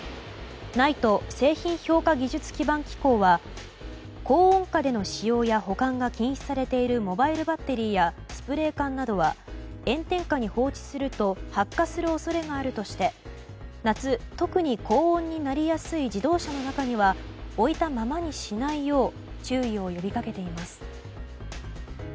ＮＩＴＥ・製品評価技術基盤機構は高温下での使用や保管が禁止されているモバイルバッテリーやスプレー缶などは炎天下に放置すると発火する恐れがあるとして夏、特に高温になりやすい自動車の中には置いたままにしないよう注意を呼びかけています。